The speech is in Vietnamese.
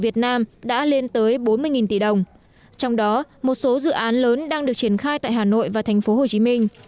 trong đó một số dự án lớn đang được triển khai tại hà nội và thành phố hồ chí minh